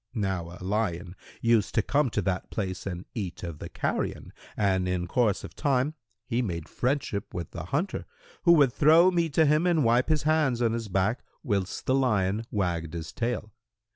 Now a lion used to come to that place and eat of the carrion; and in course of time, he made friendship with the hunter, who would throw meat to him and wipe his hands on his back, whilst the lion wagged his tail.